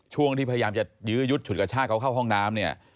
ช่วงที่พยายามจะยื้อยุดฉุดกระชากเขาเข้าห้องน้ำเนี่ย